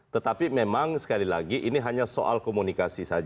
tetapi memang sekali lagi ini hanya soal komunikasi